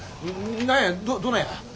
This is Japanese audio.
何やどないや。